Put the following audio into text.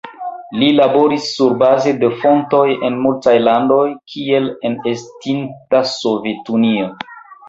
Li laboris surbaze de fontoj en multaj landoj, kiel en estinta Sovetunio.